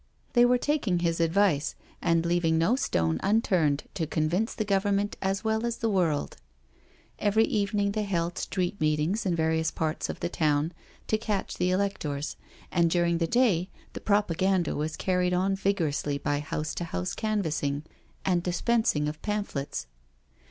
They were taking his advice, and leav ing no stone unturned to convince the Government as well as the world. Every evening they held street meetings in various parts of the town to catch the electors, and during the day the propaganda was car ried on vigorously by house to house canvassing and dispensing of pamphlets.